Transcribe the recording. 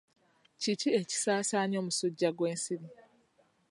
Kiki ekisaasaanya omusujja gw'ensiri?